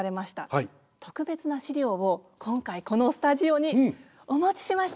特別な資料を今回このスタジオにお持ちしました。